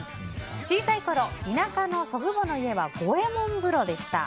小さいころ、田舎の祖父母の家は五右衛門風呂でした。